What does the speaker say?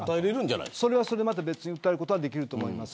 それは別で訴えることはできると思います